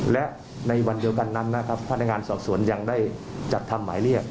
และในวันเดียวกันนั้นนะครับพนักงานสอบสวนยังได้จัดทำหมายเรียก